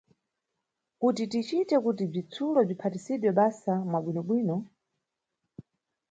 Kuti ticite kuti bzitsulo bziphatisidwe basa mwabwinobwino.